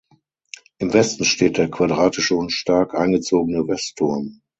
Im Westen steht der quadratische und stark eingezogene Westturm.